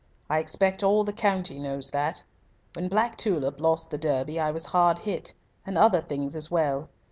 I expect all the county knows that. When Black Tulip lost the Derby I was hard hit. And other things as well.